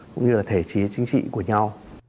cũng như là thể trí chính trị của nhau